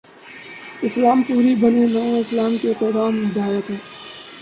اسلام پوری بنی نوع انسان کے لیے پیغام ہدایت ہے۔